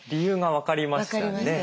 分かりましたよね。